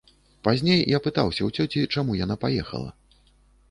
Пазней я пытаўся ў цёці, чаму яна паехала.